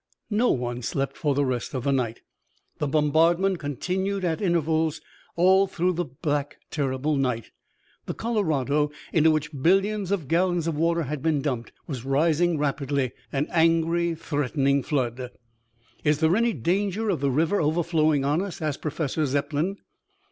No one slept for the rest of the night. The bombardment continued at intervals all through the black, terrifying night. The Colorado, into which billions of gallons of water had been dumped, was rising rapidly, an angry, threatening flood. "Is there any danger of the river overflowing on us?" asked Professor Zepplin.